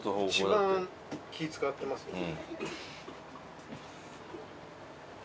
一番気ぃ使ってますよね。